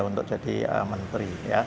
untuk jadi menteri